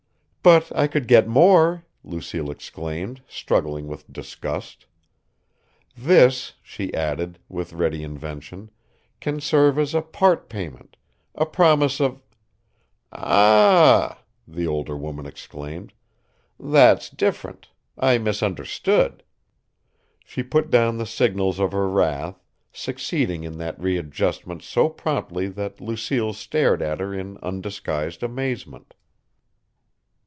"But I could get more!" Lucille exclaimed, struggling with disgust. "This," she added, with ready invention, "can serve as a part payment, a promise of " "Ah h!" the older woman exclaimed. "That's different. I misunderstood." She put down the signals of her wrath, succeeding in that readjustment so promptly that Lucille stared at her in undisguised amazement.